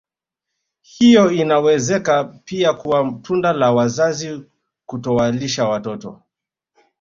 Hiyo inawezeka pia kuwa tunda la wazazi kutowalisha watoto